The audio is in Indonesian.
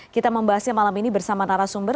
kita membahasnya malam ini bersama tara sumber